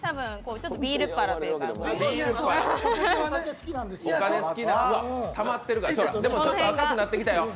ちょっと赤くなってきたよ。